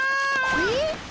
えっ？